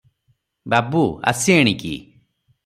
ବାବୁ, ଆସି ଏଣିକି ।"